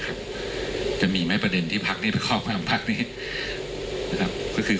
กรณีนี้ทางด้านของประธานกรกฎาได้ออกมาพูดแล้ว